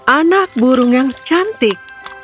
anak burung yang cantik